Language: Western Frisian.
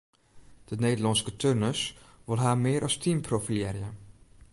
De Nederlânske turners wolle har mear as team profilearje.